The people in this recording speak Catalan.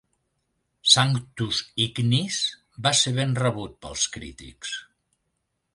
"Sanctus Ignis" va ser ben rebut pels crítics.